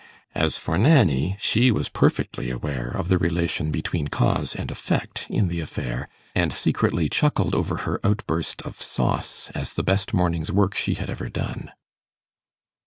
As for Nanny, she was perfectly aware of the relation between cause and effect in the affair, and secretly chuckled over her outburst of 'sauce' as the best morning's work she had ever done.